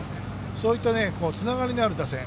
そういったつながりのある打線。